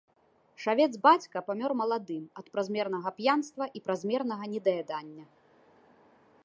Шавец бацька памёр маладым ад празмернага п'янства і празмернага недаядання.